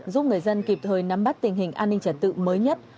giúp người dân kịp thời nắm bắt tình hình an ninh trật tự mới nhất